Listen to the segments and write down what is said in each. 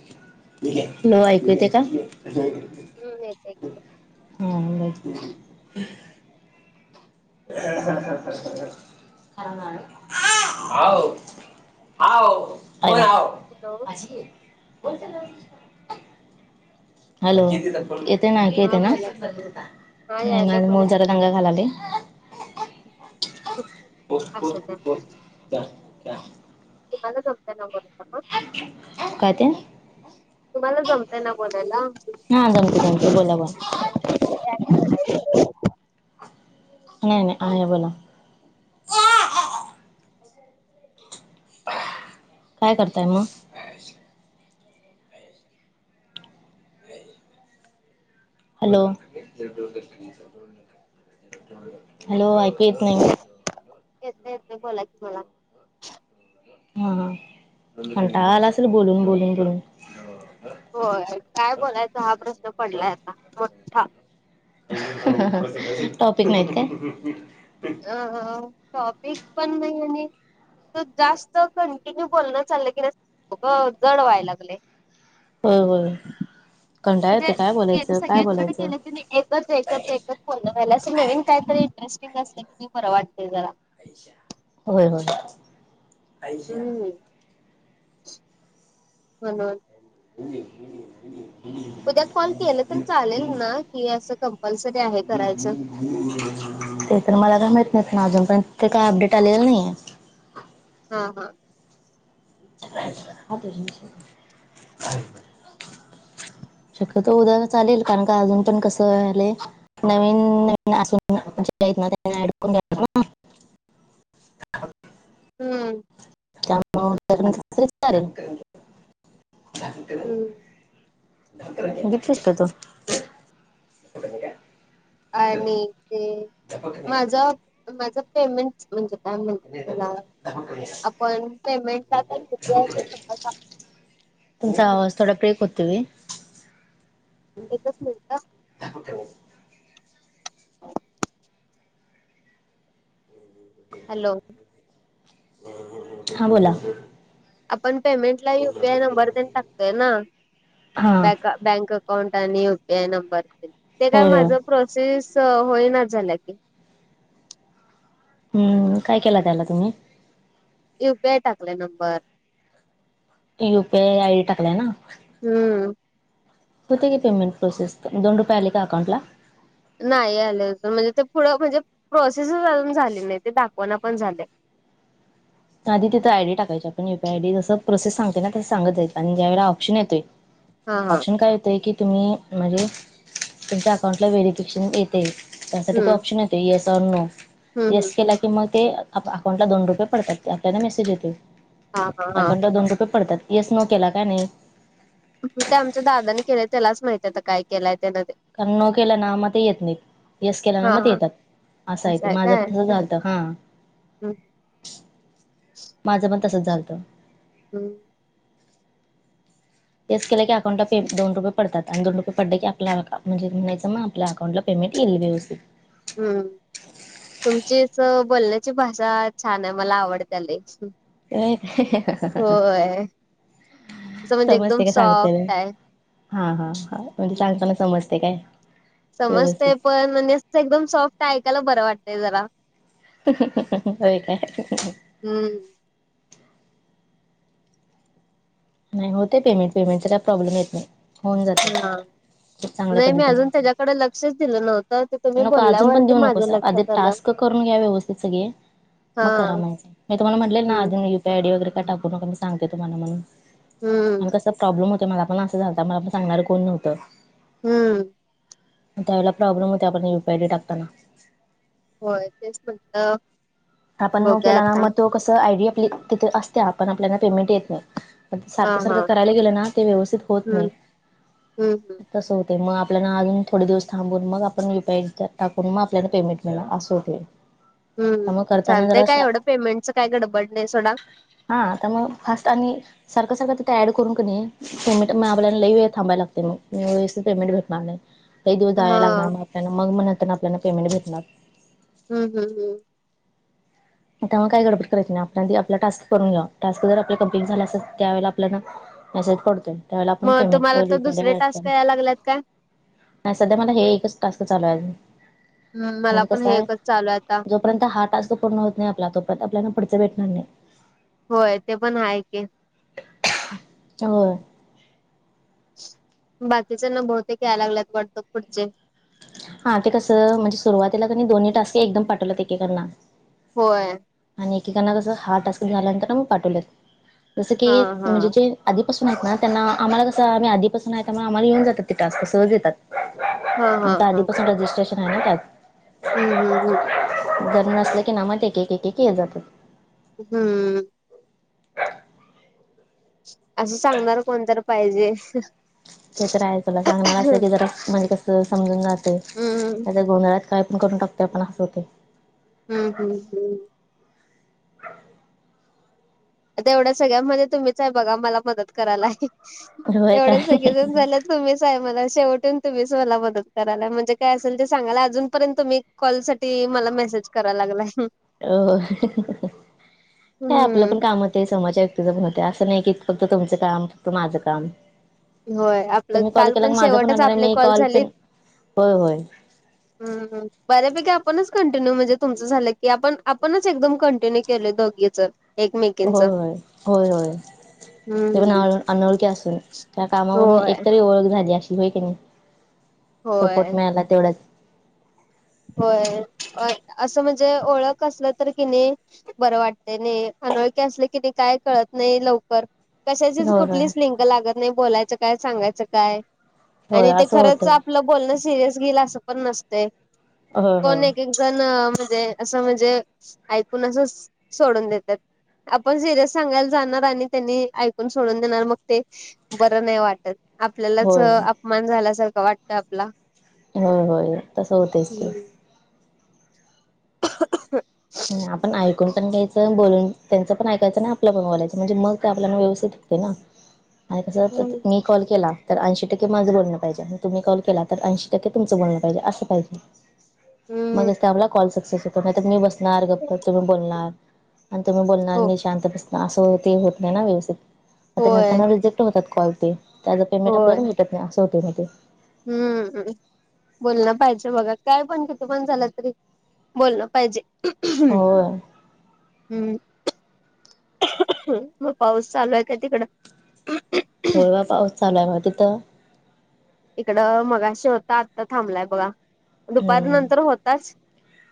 [unintelligible] ऐकू येते का? हम्म येतय की. ह. बघ. [inaudible] आई, [inaudible] हॅलो. आजी, [inaudible] बोलते ना, [inaudible] हॅलो येते ना, ऐकू हा येतं ना? बोला की हा नाही यायला मला बोला मुल की जरा गंगा घालाले. असं ते [unintelligible] तुम्हाला जमतेना म. काय ते? तुम्हाला जमतय ना बोलायला. हा जमते जमते बोला बोला [unintelligible] नाही नाही आहे बोला. काय करताय म? हॅलो, हॅलो ऐकू येत नाही. येत येत बोला कि मला. हा हा, कंटाळा आला असेल बोलून, बोलून, बोलून. होय, काय बोलायचं हा प्रश्न पडलाय आता. मोठा टॉपिक नाहीत काय? अ टॉपिक पण नाही. आणि जास्त कंटिन्यू बोलणं चाललं की ना जड व्हाय लागलेय. होय, होय. कंटाळा येतो. काय बोलायचं काय बोलायचं? ते एकच एकच एकच पूर्ण व्हायला. असं नवीन काहीतरी इंटरेस्टिंग अस की म बरं वाटते जरा. होय होय. हम्म म्हणून. हो हो होणे [inaudible] उद्या कॉल केलं तर चालेल ना कि असं कंपल्सरी आहे करायचं ते तर मला काय माहत नाहीत ना अजून पर्यंत ते काय अपडेट आलेला नाहीये हा हा नाहीये. शक्यत उद्या चालेल कारण का अजून पण कसं झाले नवीन नवीन असून ना त्यांना ॲड करून घ्याव, हम्म, हम्म, हम्म त्या बटस का तू आणि ते माझा माझ पेमेंट म्हणजे कायत त्याला आप पेमेंट का ते स टा तुचा आवाज ब्रेक होतोय एकच मिनिटात ह हॅलो हा बोला आपण पेमेंटला युपीआय नंबर त्यांनी टाकतोय ना हा बॅका बँक अकाउंट आणि युपीआय नंबर ते काय होय होय माझं प्रोसेस होई ना झाल्या की हम्म काय केला त्याला तुम्ही युपीआयबेटाकले नंबर युपीआय आय डी टाकलाय ना हम्म होते का पेमेंट प्रोसेस दोन रुपय आली का अकाउंटला नाही आले अजून म्हणजे ते पुढं म्हणजे प्रोसेसच अजून झाली नाही ते दाखवाना पण झाले आध तथं आयडी टाकायची पण यूपीआयडीसं प्रोसेस सांगते ना तस सगत जायं आणि ज्याे प्शन येतय हा हा ऑप्शन काय होतय की तुम्ही म्हणजे तुमच्या अकाउंटला व्हेरीिफिकेशन येते त्यासाठी तो हम्म ऑप्शन येतो येस आ नो हम्म हम्म येस केला की मग ते अकाउंटला दोन रुपये पडतात आपल्याला मेसेज येते हा हा हा अकाउंटला दोन रुपये पडतात येस नोकेला काय नाही ते आमच्या दादानी केले त्यालाच माहित आहे काय केलंय त्यान ते कननो केला नामागौ येत नाही येस केला हा नामात हा येतात असं आहे ते माझं पण तसं झालतं हा हम्म माझं पण तसच झालत हम् येस केलं की अकाउंटला पे दो रुपये पडतात आणि दोन रुपे पडले की आपणजे म्हणायचंग आप अकाउंटला पेमेंटल्ली देवस हम्म तुमचीच बोलण्याची भाषा छान आहे मला आवडतेला असं म्हणजे एकदम समजते का सांगते ना सॉफ्ट आहे हा हा हा म्हणजे सांगताना समजते काय समजतेय व्यवस्थित पण म्हणजे एकदम सॉफ्ट आहे ऐकायला बरं वाटतय जरा हो काय हम्म नाही होते पेमेंट पेमेंट त्याचा प्रॉब्लेम्स येत नाही होऊन जाते हा खूप चांगल्या नाही मी पद्धतीने अजून हो त्याच्याकडे लक्षच दिलं नव्हतं ते तुम्ही नको अजून पण बोलल्यावरती देऊ नको माझ्या सर अधि लक्षात आलं. टास्क करून घ्या व्यवस्थित सगळे हा मग करा म्हणे मी तुम्हाला म्हटृले ना. हम्म पॅडी वगैर टाकू नका मी सांगते तुम्हा म्हणून. हम्म आणि कसं प्रॉब्लेम होत मला पण असं झालत मला पण सांगणार कोण नव्हतं. हम्म म त्यावेळी प्रोब्लेम होतोय आपण इंक्वायारी टाकताना. होय तेच म्हणलं. आपण नो केला ना मग तो कस आयडिया आपली तिथे असते आपण आपल्याला पेमेंट येत नाही. हा सारखं हा सारखं करायला गेलं ना ते व्यवस्थित होत नाही. हम्म हम्म हम्म तसं होते मग आपल्याला अजून थोडे दिवस थांबून मग आपण युपी आयडी टाकून मग आपल्याला पेमेंट मिळानार असं होतं. हम् चालतय काय एवढं पेमेंटचं काय गडबड नाही सोडा. हा तर मग फास्ट आणि सारखं सारखं तिथे ऍड करून करणे पेमेंट मग आपल्याला लई वेळ थांबाय लागते मी व पेमेंट भेणार नाही. काही दिवस जाय हा लाग म आपल्याला मग मग नंतर आपल्याला पेमेंट भेणार. हम् हम् हम्. आता मग काय गडबड करायच नाही आपल्या आपला टास्क करून घ्या टास्क जर आपल्या कंप्लीट झाला असेल त्यावेळेला आपल्याला मेसेज पडतोय त्यावेळेला आपण मग पेमेंट तुम्हाला व तर दुसरे रिपे टास्क के‌ याय लागल्यात काय नाही सध्या मला हे एकच टास्क चालू आहे. हम्म मला पण हे एकच चालू आहे आता. पर्यंत हा टास्क पूर्ण होत नाही आपला तोपर्यत आपलाना पुडच भेटणार नाही. होय ते पण आहे की. होय. बाकीच्यांना बहुतेक यायला लागलेत वाटत पुढचे. हा ते कसं म्हणजे सुरुवातीला क दोन्ही टास्क एकदम पाठवल्यात एकेकांना. होय. आणि एकेकांना कसं हा टास्क झाल्यानंतर मग पाठवलेत जसं हा की हा म्हणजे जे आधीपासून आहेत ना त्यां आम्हा कसं आम्ही आधी पासून आहे त्यामुळे आम्हाला येऊन जात ते टास्क सहज येतात. हा हा त्या हा आधीपासून रजिस्ट्रेशन आहे ना त्यात. हम्म हम् हम्म. जन्म असलं की ना मग एक एक एक के येत जातात. हम्म. असं सांगणार कोणतरी पाहिजे. ते तर आहे तुला सांगणार अस की जरा म्हणजे कस समजून जाते हम्म त्या गोंधळ काय पण करून टाकते आपण असं होते. हम्म हम्म हम्म. आता एवढ्या सगळ्या म्हणजे तुम्हीच आहे बघा मला मदत करायलाय होय एवढ्या सगळे काय जण झाल्या. तुम्हीच आहे मला शेवटून तुम्हीच मला मदत करायला म्हणजे काय असेल ते सांगयला अजूनपर्यंत तुम्ही कॉल साठी मला मेसेज कराय लागलाय. अ काय आपलं हम्म पण काम समाज त म्हणते असं नाही की फक्त तुमचं काम फक्त माझं काम. होय आपलं तुम्ही कॉल काल केला माझा पण शेवटच होणार आहे आपले मी कॉल पण झालेत. होय होय. ह बऱ्यापैकी आपणच कंटिन्यू म्हणजे तुमचं झालं की आपण आपणच एकदम कंटिन्यू केल दोघीच. एकमेकींच होयय होय होय हम्म तेवणळ. अनोळख्या असून त्या कामावरून होय एकतरी ओळख झाली अशी होय की नाही. होय. सपोर्ट मिळाला तेवढाच. होय असं म्हणजे ओळख असलं तर कि नाही. बरं वाटते नाही अनोळखी असलं की ते काय कळत नाही लवकर. कशाचीच होय होय कुठलीच लिंक लागत नाही बोलायचं काय सांगायचं काय होय आणि ते असं खरंच आप''--'' होतंय आपलं बोलणं सिरियस घेईल असं पण नसतेय. होय कोण एक एक जण म्हणजे असं म्हणजे ऐकून असं सोडून देतात. आपण सिरियस सांगायला जाणार आणि त्यांनी ऐकून सोडून देणार मग ते बरं नाही वाट''--'' त्यात आपल्यालाच होय होय अपमान झाल्यासारखं वाटत आपला. होय होय तसं होतेच ते. ओह ओह [inaudible] आपण ऐकून पण घ्यायचं बोलून त्यांचं पण ऐकायचं नाही आपलं पण बोलायचं म्हणजे मग ते आपल्याला व्यवस्थितीत होतंय ना. आणि जर हम्म तिथं मी. कॉल केला तर ऐशी टक्के माझं बोलण पाहिजे आणि तुम्ही कॉल के तर ऐंशी टक्के तुमचं बोलण पाहिजे असं पाहिजे. मग हम्म आमला कॉल सक्सेस हो नाही तर मी बसणार गगप्प तुम्ही बोलणार. आणि तुम्ही बोलणार हो मी शांत बसन असं हो ते होत नाही ना व्यवस्थित. ते होय नंतर रिजेक्ट होतात कॉल ते त्याचं पेमेंट होय आपल्याला भेटत नाही असं होते मी ते. हम्म. बोलणं पाहिजे बघा काय पण किथे पण झालं तरी बोलणं पाहिजे. होय हम्म. मग पाऊस चालू आहे काय तिकडं. थोडा पाऊस चालू हाय बघा तिथं. इकडं मगाशी होता आता थांबलाय बघा. दुपार हम्म नंतर होताच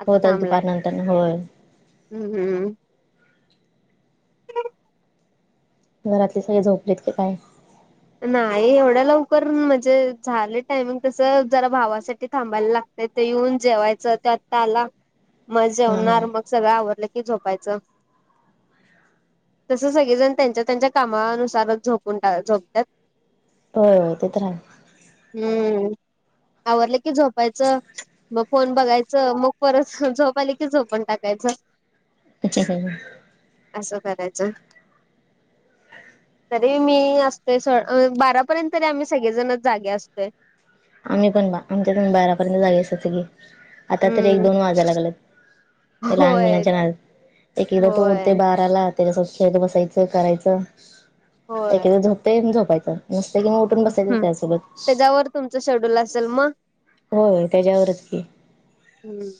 आता होत थांबलाय. दुपार नंतर होय हम्म हम्म. घरातले सगळे झोपलेत की काय. नाही एवढं लवकर म्हणजे झाले टायमिंग तस जरा भावासाठी थांबायला लागत. तेथे येऊन जेवायचं ते आता आला मग हा हा जेवणार मग. सगळं आवरलं की झोपायचं. तस सगळेजण त्यांच्या त्यांच्या कामानुसारच झपून टाक झोपतात होय होय ते तर हाय. हम्म आवरलं की झोपायचं. मग फोन बघायचं मग परत झोपा आली की झोपून टाकायचं. ह ह, असं करायचं. तरी मी असतो स बारापर्यंत तरी आम्ही सगळेजण जागे असतोय. आम्ही पण बा आमच्याकडे बारा पर्यंत जागे असतात सगळी आता तर एक हम्म दोन वाजायला लागलेत. लहान होय मुलांच्या ना एक एकदा होय तोडते बाराला. त्याच्यासोबत खेळत बसायचं करायचं होय एखाद झोपतय झोपायचं नसतं कि उठ''--'' उठून बसायच हम्म त्यासोबत. त्याच्यावर तुमचं शेड्यूल असेल मग. होय त्याच्यावरच की. हम्म.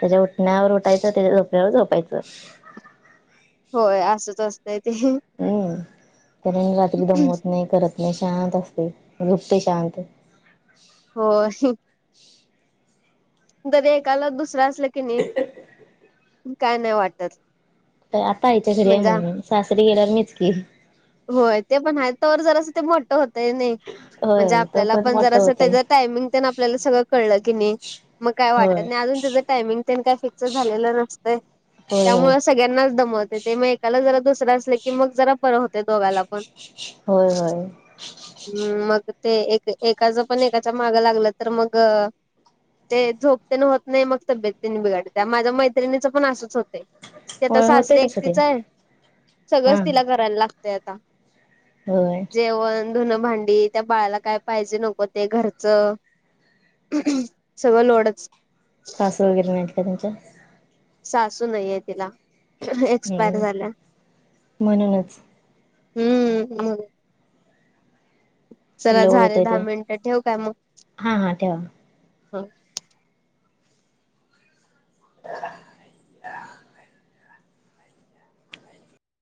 त्याच्या उठण्यावर उठायचं त्याच्या झोपण्यावर झोपायचं. होय असंच असतंय ते. हम्म त्यान रात्री दमत नाही करत नाही शांत असते झोपतोय शांत. होय. ह [inaudible] तरी एकाला दुसरं असलं की नी, काय नाही वाटत. आता इथ फ्री आहे म्हणजे म्हणून, सासरी गेल्यावर मीच की. होय ते पण आहे, तोवर जरासं ते मोठं होतय नाही. म्हणजे होय आपल्याला तोपर्यंत पण जर मोठं असं होतय त्याच टायमिंग तेन आपल्याला सगळं कळलं की नी. मग काय होय वाटत नाही, अजून त्याचं टायमिंग तेन काही फिक्स झालेलं नसतंय. होय होय त्यामुळ सगळ्यांनाच दमवते ते म एक त्याला जरा दुसर असल, की मग जरा बर होतय दोघाला पण. होय होय. हूं मग ते एक एकाच पण एकाच्या मागं लागलं तर मग. ते झोप तेन होत नाही, मग तब्येत तेन बिघडते, माझ्या मैत्रिणीचं पण असंच होतय. ते त होय होते सासरीे तसं ते एकटीच आहे, हा सगळंच तिला करायला लागतय आता. होय! जेवण, धुनं भांडी, त्या बाळाला काय पाहिजे नको ते घरचं सगळं लोडच. सासू वगैरे नाहीत का त्यांच्या? सासू नाहीये तिला, एक्सपायर हम्म झाल्या. म्हणूनच हूं मग. चला लोड झाले होतय दहा ते मिनिटं ठेवू काय म. हा हा ठेवा.